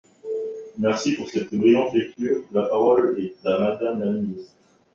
Merci pour cette brillante lecture ! La parole est à Madame la ministre.